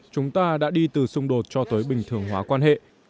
chúng ta đã đi từ xung đột cho tới bình thường hóa quan hệ